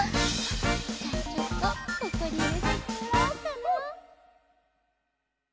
じゃあちょっとここにいれさせてもらおうかな。